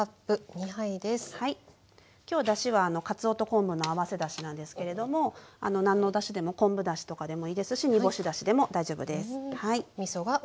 今日だしはかつおと昆布の合わせだしなんですけれども何のおだしでも昆布だしとかでもいいですし煮干しだしでも大丈夫です。